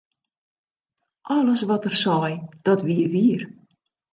Alles wat er sei, dat wie wier.